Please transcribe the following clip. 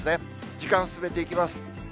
時間進めていきます。